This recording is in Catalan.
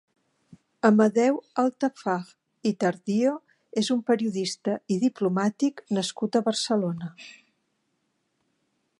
Amadeu Altafaj i Tardio és un periodista i diplomàtic nascut a Barcelona.